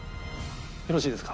よろしいですか？